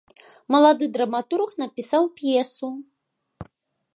Малады драматург напісаў п'есу.